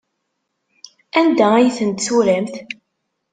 Anda ay tent-turamt?